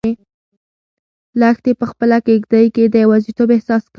لښتې په خپله کيږدۍ کې د یوازیتوب احساس کاوه.